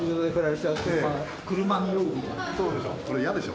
そうでしょ？